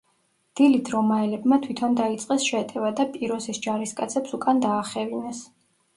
დილით რომაელებმა თვითონ დაიწყეს შეტევა და პიროსის ჯარისკაცებს უკან დაახევინეს.